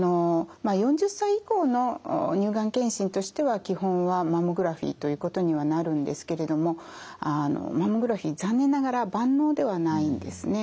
４０歳以降の乳がん検診としては基本はマンモグラフィーということにはなるんですけれどもマンモグラフィー残念ながら万能ではないんですね。